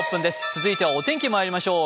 続いてはお天気にまいりましょう。